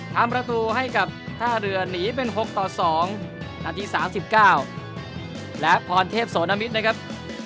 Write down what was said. ทำประตูให้กับท่าเรือหนีเป็น๖ต่อ๒นาที๓๙และพรเทพโสนมิตรนะครับ